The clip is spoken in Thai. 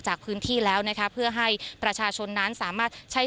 จากพื้นที่แล้วนะคะเพื่อให้ประชาชนนั้นสามารถใช้